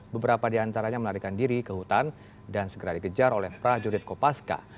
beberapa diantaranya menarikan diri ke hutan dan segera dikejar oleh prajurit kopaska